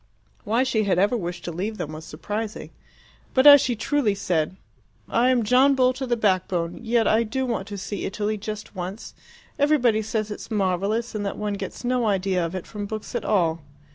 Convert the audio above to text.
Why she had ever wished to leave them was surprising; but as she truly said, "I am John Bull to the backbone, yet I do want to see Italy, just once. Everybody says it is marvellous, and that one gets no idea of it from books at all."